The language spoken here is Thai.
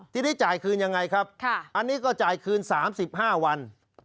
ทีนี้จ่ายคืนยังไงครับอันนี้ก็จ่ายคืน๓๕วัน